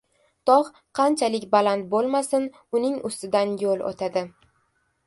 • Tog‘ qanchalik baland bo‘lmasin, uning ustidan yo‘l o‘tadi.